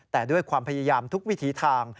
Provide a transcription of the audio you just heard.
แต่ด้วยความพยายามทุกวิถีทาง